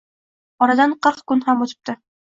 Oradan qirq kun ham o‘tibdi